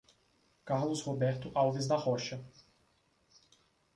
Carlos Roberto Alves da Rocha